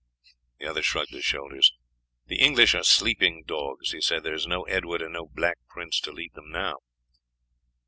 The other shrugged his shoulders. "The English are sleeping dogs," he said; "there is no Edward and no Black Prince to lead them now."